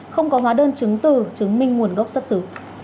không có hóa đơn chứng từ chứng minh nguồn gốc xuất xứ